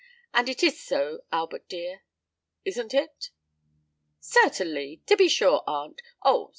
And it is so, Albert dear—isn't it?" "Certainly—to be sure, aunt—Oh!